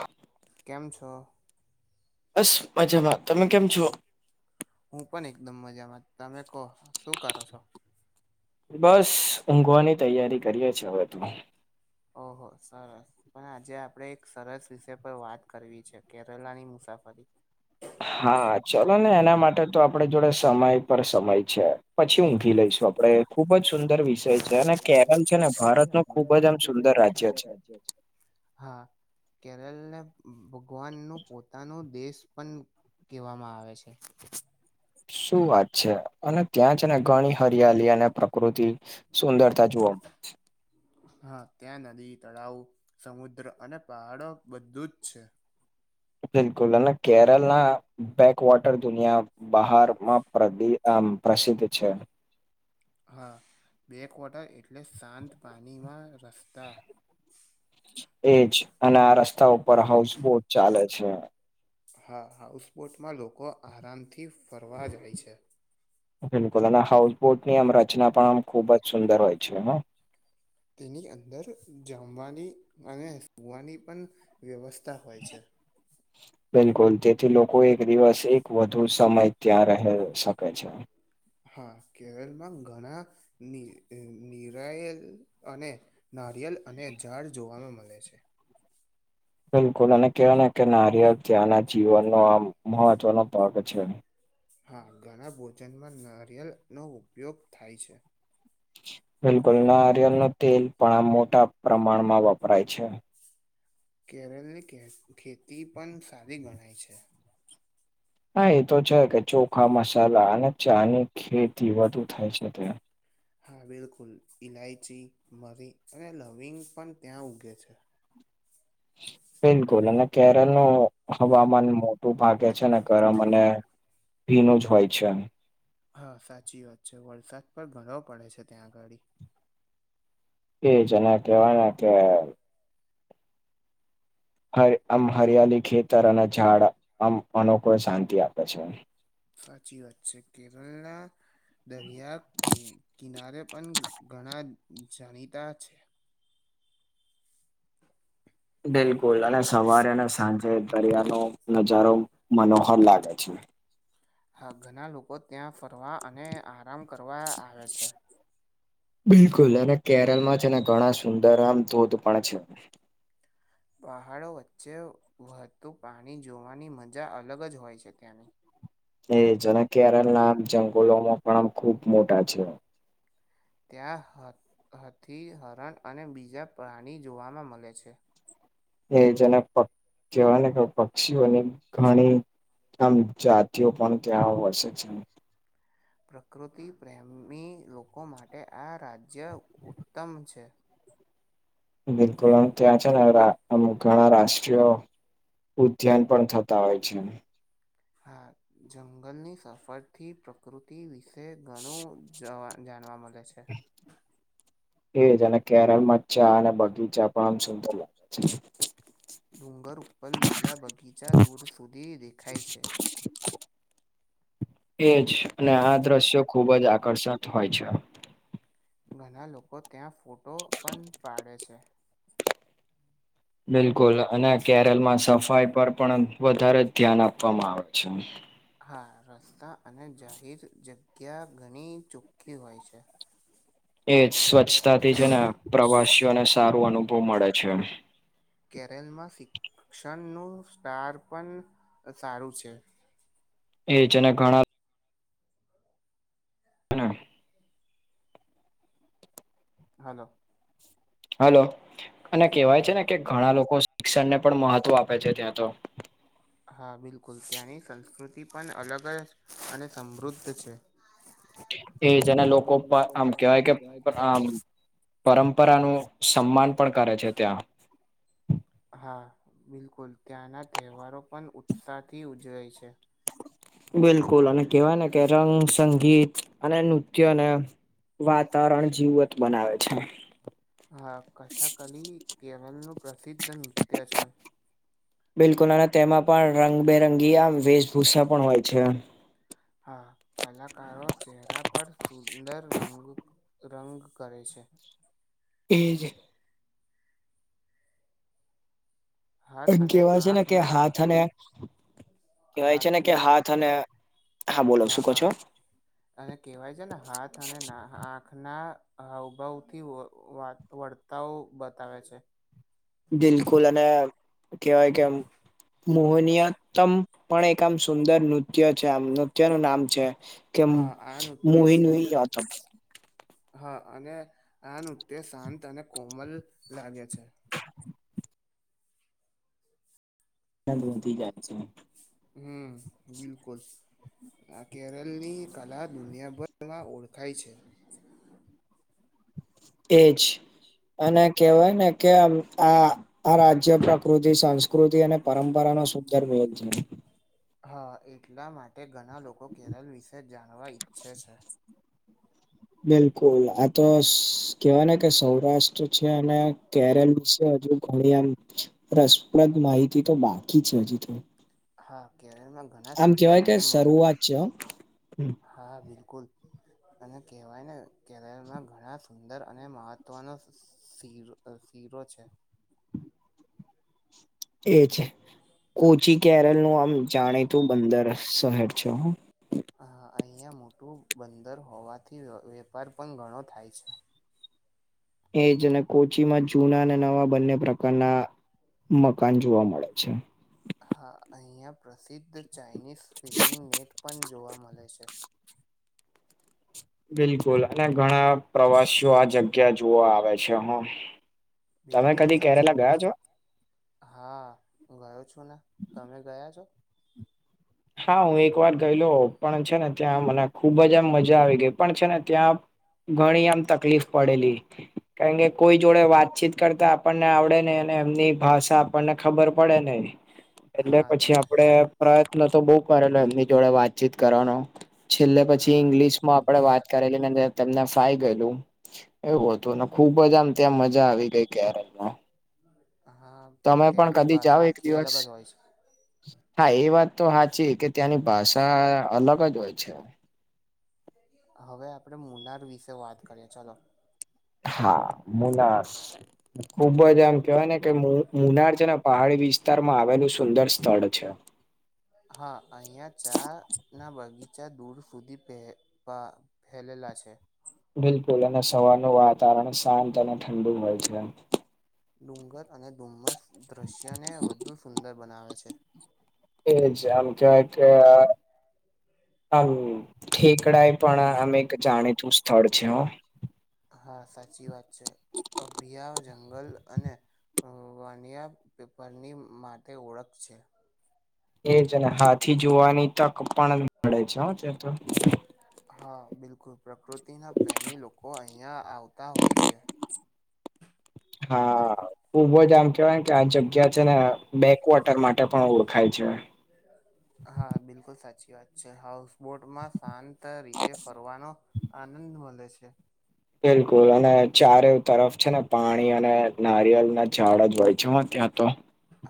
Hello કેમ છો? બસ મજામાં તમે કેમ છો? હું પણ એકદમ મજામાં તમે કો શું કરો છો? બસ ઊંઘવાની તૈયારી કરીએ છે હવે તો. ઓહો, સરસ. પણ આજે આપડે એક સરસ વિષય પર વાત કરવી છે, કેરલાની મુસાફરી. હા ચલોને એના માટે તો આપડા જોડે સમય પર સમય છે. પછી ઊંઘી લઈશું આપડે ખુબ જ સુંદર વિષય છે અને કેરળ છે ને ભારતનો ખૂબ જ આમ સુંદર રાજ્ય છે. હા કેરળને ભગવાનનું પોતાનું દેશ પણ કેહવામાં આવે છે. શું વાત છે અને ત્યાં છે ને ઘણી હરિયાલી અને પ્રકૃતિ સુંદરતા જોવા મળે હા ત્યાં નદી, તળાવ, સમુદ્ર અને પહાડો બધું જ છે. બિલકુલ અને કેરલ ના બેક વોટર દુનિયા બહારમાં પ્રદી આમ પ્રસિદ્ધ છે. હા, બેક વોટર એટલે શાંત પાણીમાં રસ્તા. એજ અને આ રસ્તા ઉપર હાઉસબોટ ચાલે છે. હા હાઉસબોટમાં લોકો આરામથી ફરવા જાય છે. બિલકુલ અને હાઉસબોટની આમ રચના પણ આમ ખુબ જ સુંદર હોય છે હા. તેની અંદર જમવાની અને સૂવાની પણ વ્યવસ્થા હોય છે. [inaudible] બિલકુલ તેથી લોકો એક દિવસ એક વધુ સમય ત્યાં રહે શકે છે. હા કેરળમાં ઘણા ની અ નિરાયેલ અને નારિયલ અને ઝાડ જોવામાં મળે છે. બિલકુલ અને કેહવાય ને કે નારિયલ ત્યાંના જીવનનો આમ મહત્વનો પાક છે. હા ઘણા ભોજનમાં નારિયેળનો ઉપયોગ થાય છે. બિલકુલ નારિયલના તેલ પણ આમ મોટા પ્રમાણમાં વપરાય છે. કેરળ ની ખે ખેતી પણ સારી ગણાય છે. હા એ તો છે કે ચોખા મસાલા અને ચાની ખેતી વધુ થાય છે ત્યાં હા બિલકુલ ઈલાયચી, મરી અને લવિંગ પણ ત્યાં ઉગે છે. બિલકુલ અને કેરલનો હવામાન મોટું ભાગે છે ને ગરમ અને ભીનું જ હોય છે. હા સાચી વાત છે વરસાદ પણ ઘણો પડે છે ત્યાં ગડી. એજ અને કેવાયને કે હરે આમ હરિયાલી ખેતર અને ઝાડ આમ અનોખો શાંતિ આપે છે. સાચી વાત છે, કેરલના દરિયા કિ કિનારે પણ ઘણા જાણીતા છે. બિલકુલ અને સવારે અને સાંજે દરિયાનો નજારો મનોહર લાગે છે. હા, ઘણા લોકો ત્યાં ફરવા અને આરામ કરવા આવે છે. બિલકુલ અને કેરલમાં છે ને ઘણા સુંદર આમ ધોધ પણ છે. પહાડો વચ્ચે વધુ પાણી જોવાની મજા અલગ જ હોય છે ત્યાંની. એ જના કેરળ ના આમ જંગલોમાં પણ આમ ખુબ મોટા છે. ત્યાં હથી હાથી હરણ અને બીજા પ્રાણી જોવામાં મળે છે. એ જેને પ કહેવાય ને કે પક્ષીઓની ઘણી આમ જાતિઓ પણ ત્યાં વસે છે. પ્રકૃતિ પ્રેમી લોકો માટે આ રાજ્ય ઉત્તમ છે. બિલકુલ ત્યાં છે ને રાષ અમુક ઘણા રાષ્ટ્રીય ઉદ્યાન પણ થતા હોય છે. હા જંગલની સફરથી પ્રકૃતિ વિશે ઘણું જવા જાણવા મળે છે. એ જ અને કેરળમાં ચા અને બગીચા પણ આમ સુંદર લાગે છે. ડુંગર ઉપર લીલા બગીચા દૂર સુધી દેખાય છે. એજ અને આ દ્રશ્યો ખુબ જ આકર્ષક હોય છે. ઘણા લોકો ત્યાં ફોટો પણ પાડે છે. બિલકુલ અને કેરલમાં સફાઈ પર પણ વધારે જ ધ્યાન આપવામાં આવે છે. હા રસ્તા અને જાહેર જગ્યા ઘણી ચોખ્ખી હોય છે. એ સ્વચ્છતા થી છે ને પ્રવાસીઓને સારો અનુભવ મળે છે. કેરલમાં શિક્ષણનું સ્ટાર પણ સારું છે. એજ અને ઘણા હલો. હલો અને કહેવાય છે હા ને કે ઘણા લોકો શિક્ષણને પણ મહત્વ આપે છે ત્યાં તો. હા બિલકુલ ત્યાંની સંસ્કૃતિ પણ અલગ જ અને સમૃદ્ધ છે. એ જેના લોકો પણ આમ કેવાય કે આમ પરંપરાનું સન્માન પણ કરે છે ત્યાં હા બિલકુલ ત્યાંના તહેવારો પણ ઉત્સાહથી ઉજવાય છે. બિલકુલ અને કેહેવાય ને કેરલ નુ સંગીત અને નૃત્યને વાતાવરણ જીવત બનાવે છે. હા કથકલી કેરલ નું પ્રસિદ્ધ નૃત્ય છે. બિલકુલ અને તેમાં પણ રંગબેરંગી આમ વેશભૂષા પણ હોય છે. હા કલાકારો ચહેરા પર સુંદર રંગ રંગ કરે છે. એ જ. હાથ અને કેહેવાય છે ને કે હાથ આંખના અને કહેવાય છે ને કે હાથના હાથ અને હા બોલો શું કહો છો. અને કહેવાય છે ને હાથ અને આંખના હાવભાવ થી [unintelligible] તા બતાવે છે. બિલકુલ અને કહેવાય કેમ મોહનીયતમ પણ એક આમ સુંદર નૃત્ય છે આમ નૃત્યનું નામ છે. કે હા આ મુુંહી નૃત્ય નહી આતા હા અને આ નૃત્ય શાંત અને કોમલ લાગે છે. વધી જાય છે. હમ બિલકુલ. આ કેરળની કલા દુનિયાભરમાં ઓળખાય છે. એ જ. એજ. અને કવાયને કે આમ આ રાજ્ય પ્રકૃતિ સંસ્ સંકૃતિ અને પરંપરાઓને સુંદર મેલ છે. હા એટલા માટે ઘણા લોકો કેરળ વિશે જાણવા ઈચ્છે છે. બિલકુલ આ તો સ કેવાય ને કે સૌરાષ્ટ્ર છે અને કેરલ છે. હજુ ઘણી આમ રસપ્રદ માહિતી તો બાકી છે હજી તો. હા કેરમાં. આમ કેવાય કે શરૂઆત છે હો. હા બિલકુલ. અને કહેવાય ને કેરળમાં ઘણા સુંદર અને મહત્વનો. શીરો અ શીરો છે. એ છે. બ. કોચી કેરલ નું આમ જાણીતું બંદર શહેર છે. હા અહીંયા મોટું બંદર હોવાથી વે વેપાર પણ ઘણો થાય છે. એજ અને કોચીમાં જૂના અને નવા બંને પ્રકારના. મકાન જોવા મળે છે. હા અહીંયા પ્રસિદ્ધ ચાઇનીઝ ફિશિંગ નેટ પણ જોવા મળે છે. બિલકુલ અને ઘણા પ્રવાસીઓ આ જગ્યા જોવા આવે છે હ. તમે બિલકુલ કદી સાચી કેરેલા વાત ગયા છે. છો. હા હું ગયો છું ને તમે ગયા છો. હા હું એક વાર ગયેલો પણ છે ને ત્યાં મને ખુબજ આમ મજા આવી ગઈ પણ છે ને ત્યાં. ઘણી આમ તકલીફ પડેલી. કારણ કે કોઈ જોડે વાતચીત કરતા આપણને આવડે નહિ અને એમની ભાષા આપણને ખબર પડે નહિ. એટલે હા પછી ત્યાં આપડે પ્રયત્ન તો બઉ કરેલો એમની જોડે વાતચીત કરવાનો. છેલ્લે પછી હા ઇંગ્લિશ માં આપડે બિલકુલ વાત. એને તમને ફાઈ ગયેલું એવું હતું. ખુબજ આમ ત્યાં મજા આવી ગઈ કેરલમાં. હા પણ ત્યાંની ભાષા આખી દિવસ અલગજ હોય છે. હા એ વાત તો હાચી કે ત્યાંની ભાષા અલગજ હોય છે. હવે આપણેે મુનાર વિશે વાત કરીએ ચલો. હા મુનાર ખુબજ આમ. કહેવાય ને મુ મુનાર છેને પહાડી વિસ્તારમાં આવેલું સુંદર સ્થળ છે. હા અહીં ચા ના બગીચા દૂર સુધી પે પ. ફેલેલા છે. બિલકુલ અને સવારનું વાતાવરણ શાંત અને ઠંડુ હોય છે. ડુંગર અને ધુમ્મસ દૃશ્યને વધુ સુંદર બનાવે છે. એજ આમ કેવાય કે અ. હમ ઠેકડાએ પણ અ અમે એક જાણીતું સ્થળ છે હ. હા સાચી વાત છે અભિયા જંગલ અને. વાનિયા પેપરની માટે ઓળખ છે. એજ અને હાથી જોવાની તક પણ મળે છે હો તે તો. હા બિલકુલ પ્રકૃતિના પ્રેમી લોકો અહિયાં આવતા હોય છે. હા ખુબજ આમ કેવાય કે આ જગ્યા છે ને બેકવોટર માટે. એ પણ ઓળખાય છે. હા બિલકુલ સાચી વાત છે હાઉસબોટમાં શાત. આ રીતે ફરવાનો આનંદ મળે છે. બિલકુલ અને ચારે તરફ છે ને. પાણી અને નારિયેળ ના ઝાડ જ હોય છેમાં ત્યાં તો.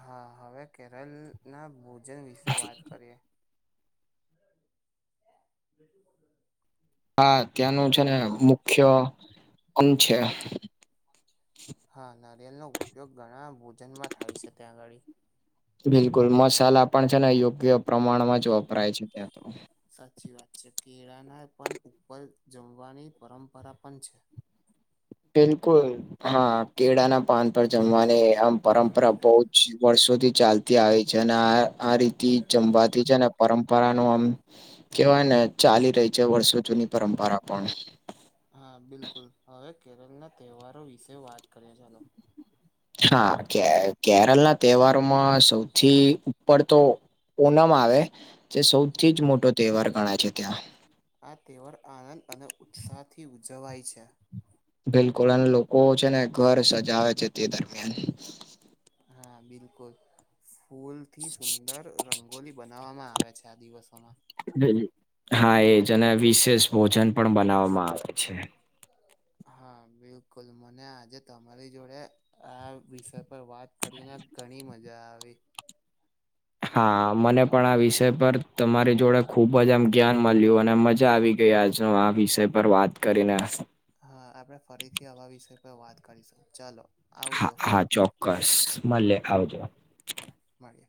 હા હવે કેરળના ભોજન વિશે વાત કરીએ. [inaudible] હા ત્યાંનું છે ને મુખ્ય અંંત છે. હા નારિયેલનો ઉપયોગ ઘણા ભોજનમાં થાય છે ત્યાં આગળ. બિલકુલ મસાલા પણ છે ને યોગ્ય પ્રમાણમાંજ વપરાય છે ત્યાં તો. સાચી વાત છે કેળાના પણ ઉપર જમવાની પરંપરા પણ છે. બિલકુલ હા કેળા ના પાન પર જમવાની આમ પરંપરા બહુ જ વર્ષોથી ચાલતી આવી છે અને આ આ રીત થી જમવાથી છે ને પરંપરા ન આમ કેવાય ને ચાલી રહી છે વર્ષો જૂની પરંપરા પણ હા બિલકુલ હવે કેરળના તહેવારો વિશે વાત કરીએ ચાલો હા કે કેરળ ના તહેવારોમાં સૌથી પડ તો ઓનમ આવે તે સૌથી જ મોટો તહેવાર ગણાય છે ત્યાં આ તહેવાર આનંદ અને ઉત્સાહથી ઉજવાય છે બિલકુલ અને લોકો છે ને ઘર સજાવે છે તે દરમિયાન હા બિલકુલ ફૂલ થી સુંદર રંગોલી બને નાવામાં આવે છે આ દિવસોમાં હા એજને વિશેષ ભોજન પણ બનાવવામાં આવે છે. હા બિલકુલ મને આજે તમારી જોડે આ વિષય પણ વાત કરીને ઘણી મજા આવી. હા મને પણ આ વિષય પર તમારી જોડે ખુબ જ આમ જ્ઞાન મળ્યું અને મજા આવી. કે આજ આ વિષય પર વાત કરીને હા આપણે ફરીથી આવા વિષય પર વાત કરીશું ચાલો આવજો હા હા ચોક્કસ મળલેે આવજો. મળીએ.